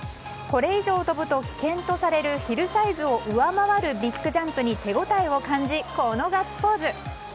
これ以上飛ぶと危険とされるヒルサイズを上回るビッグジャンプに手応えを感じこのガッツポーズ。